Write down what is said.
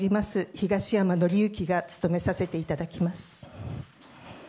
東山紀之が務めさせていただきます。